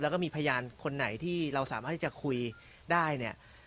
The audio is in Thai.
แล้วก็มีพยานคนไหนที่เราสามารถที่จะคุยได้เนี่ย